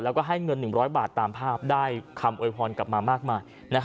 แล้วก็ให้เงิน๑๐๐บาทตามภาพได้คำโวยพรกลับมามากมาย